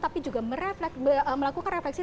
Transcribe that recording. tapi juga melakukan refleksi